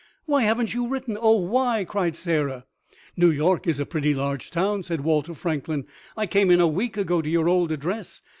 "Why haven't you written—oh, why?" cried Sarah. "New York is a pretty large town," said Walter Franklin. "I came in a week ago to your old address.